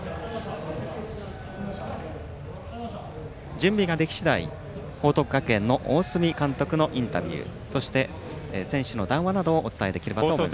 準備が出来次第、報徳学園の大角監督のインタビューそして、選手の談話などをお伝えできればと思います。